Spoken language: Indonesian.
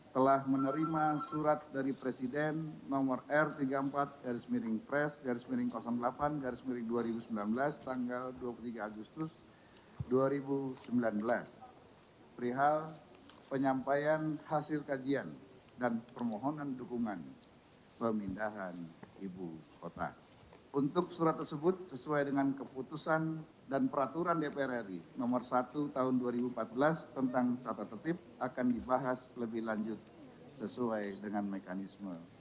telah menerima surat dari presiden nomor r tiga puluh empat dari semiring pres dari semiring delapan dari semiring dua ribu sembilan belas tanggal dua puluh tiga agustus